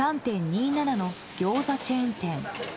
３．２７のギョーザチェーン店。